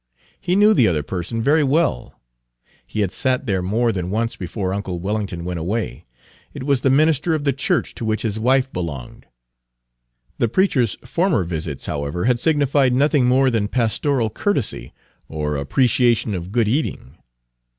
He knew the other person very well; he had sat there more than once before uncle Wellington went away. It was the minister of the church to which his wife belonged. The preacher's former visits, however, had signified nothing more than pastoral courtesy, or appreciation of good eating.